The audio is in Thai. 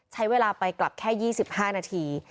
ใช้เวลาไปกลับแค่๒๕นาที